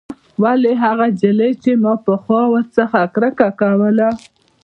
ولې هغه نجلۍ چې ما پخوا ورڅخه کرکه کوله.